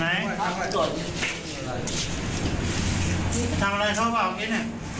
อ่าลองลงก่อน